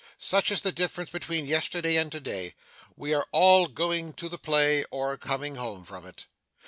Such is the difference between yesterday and today. We are all going to the play, or coming home from it.